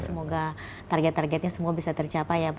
semoga target targetnya semua bisa tercapai ya pak